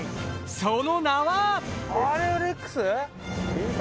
その名は？